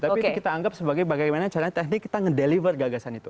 tapi kita anggap sebagai bagaimana caranya teknik kita ngedeliver gagasan itu